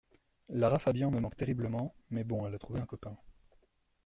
Lara Fabian me manque terriblement, mais bon elle a trouvé un copain.